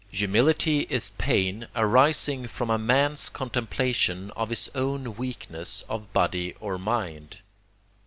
Humility is pain arising from a man's contemplation of his own weakness of body or mind.